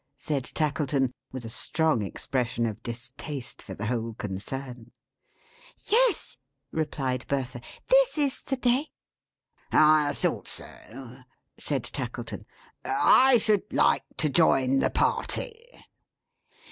said Tackleton, with a strong expression of distaste for the whole concern. "Yes," replied Bertha. "This is the day." "I thought so!" said Tackleton. "I should like to join the party."